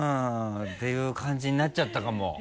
ていう感じになっちゃったかも。